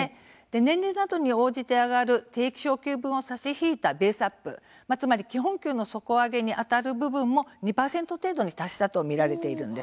年齢などに応じて上がる定期昇給分の差し引いたベースアップ基本給の底上げにあたる部分も２％程度に達したと見られています。